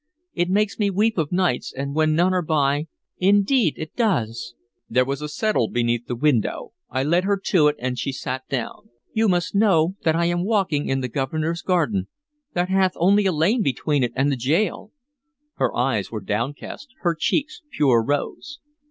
It makes me weep of nights and when none are by, indeed it does!" There was a settle beneath the window. I led her to it, and she sat down. "You must know that I am walking in the Governor's garden, that hath only a lane between it and the gaol." Her eyes were downcast, her cheeks pure rose.